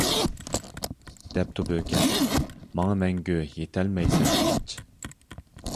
دەپتۇ بۆكەن: ماڭا مەڭگۈ يېتەلمەيسەن ھېچ.